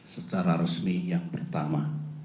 secara resmi yang pertama